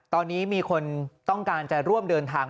ตอนนี้มีคนต้องการจะร่วมเดินทาง